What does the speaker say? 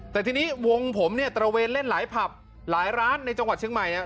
แต่ทีนี้วงผมเนี่ยตระเวนเล่นหลายผับหลายร้านในจังหวัดเชียงใหม่เนี่ย